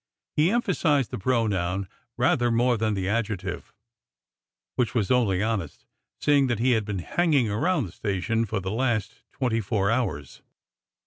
He emphasized, the pro noun rather more than the adjective, which was only honest, seeing that he had been hanging around the sta tion for the last twenty four hours.